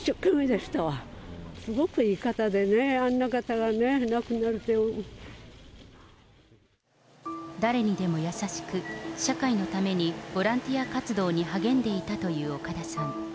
すごくいい方でね、あんな方がね、誰にでも優しく、社会のためにボランティア活動に励んでいたという岡田さん。